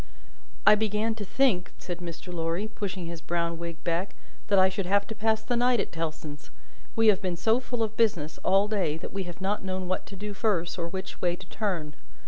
"I began to think," said Mr. Lorry, pushing his brown wig back, "that I should have to pass the night at Tellson's. We have been so full of business all day, that we have not known what to do first, or which way to turn.